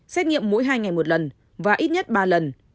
xét nghiệm mỗi hai ngày một lần và ít nhất ba lần